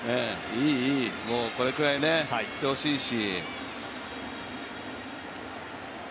いい、いい、これくらいいってほしいし。